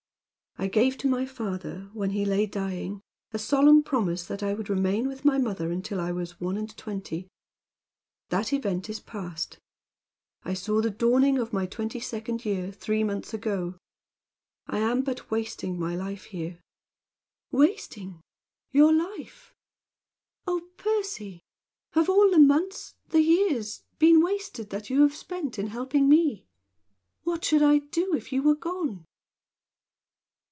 I gave to my father, when he lay dying, a solemn promise that I would remain with my mother until I was one and twenty. That event is past. I saw the dawning of my twenty second year three months ago. I am but wasting my life here." "Wasting your life! Oh, Percy! Have all the months the years been wasted that you have spent in helping me? What should I do if you were gone?"